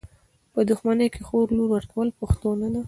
په دښمني کي د خور لور ورکول پښتو نده .